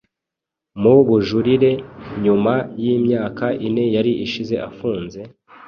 mu bujurire nyuma y'imyaka ine yari ishize afunze –